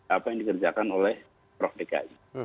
apa yang dikerjakan oleh prof dki